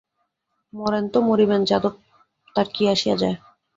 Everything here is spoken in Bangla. মরেন, তো মরিবেন যাদব, তার কী আসিয়া যায়?